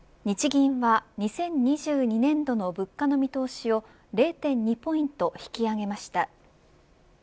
日銀は２０２２年度の物価の見通しを０．２ポイント引き上げました。